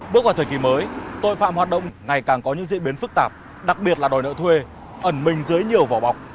bước vào thời kỳ mới tội phạm hoạt động ngày càng có những diễn biến phức tạp đặc biệt là đòi nợ thuê ẩn mình dưới nhiều vỏ bọc